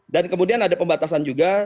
dan kemudian ada pembatasan juga